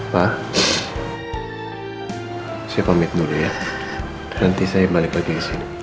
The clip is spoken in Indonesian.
pak saya pamit mulia nanti saya balik lagi ke sini